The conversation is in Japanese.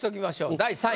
第３位。